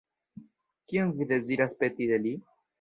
Kion vi deziras peti de li?